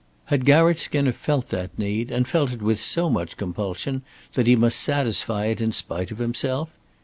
Had Garratt Skinner felt that need and felt it with so much compulsion that he must satisfy it in spite of himself?